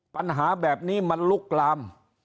ปัญหาแบบนี้มันลุกลาม